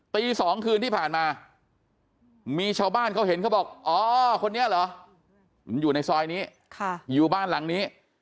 ตี๒คืนที่ผ่านมามีชาวบ้านเขาเห็นเขาบอกอ๋อคนนี้เหรอมันอยู่ในซอยนี้อยู่บ้านหลังนี้